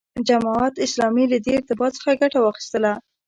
جماعت اسلامي له دې ارتباط څخه ګټه واخیسته.